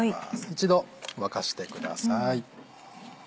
一度沸かしてください。